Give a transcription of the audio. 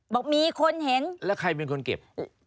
บอกมีคนเห็นแล้วใครเป็นคนเก็บ